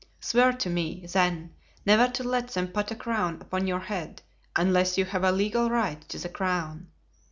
Swear to me, then, never to let them put a crown upon your head unless you have a legal right to the crown.